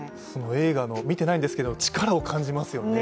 映画、見てないんですけど力を感じますよね。